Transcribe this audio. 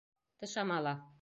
Тышама ла.